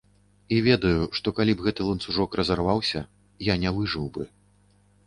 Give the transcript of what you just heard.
І ведаю, што, калі б гэты ланцужок разарваўся, я не выжыў бы.